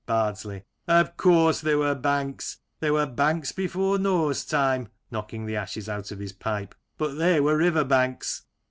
Bardsley: Of course there were banks! There were banks before Noah's time {knocking the ashes out of his pipe) — but they were river banks.